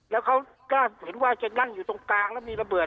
แล้วเขาก็เห็นว่าจะนั่งอยู่ตรงกลางแล้วมีระเบิด